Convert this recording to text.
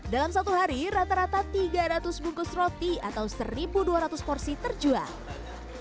dalam satu hari rata rata tiga ratus bungkus roti atau satu dua ratus porsi terjual